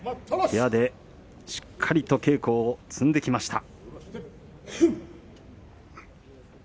部屋でしっかりと稽古を積んできました。